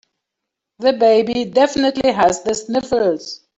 The baby definitely has the sniffles.